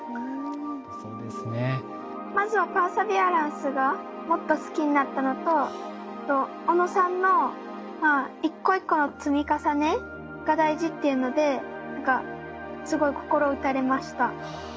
まずはパーシビアランスがもっと好きになったのと小野さんの一個一個の積み重ねが大事っていうので何かすごい心打たれました。